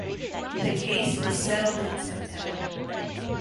The case was settled in September.